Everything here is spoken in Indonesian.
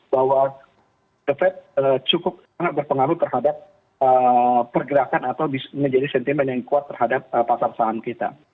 bahwa the fed cukup sangat berpengaruh terhadap pergerakan atau menjadi sentimen yang kuat terhadap pasar saham kita